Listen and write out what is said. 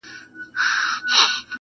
ته لېونۍ خو نه یې؟!.